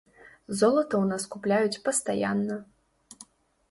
Золата ў нас купляюць пастаянна.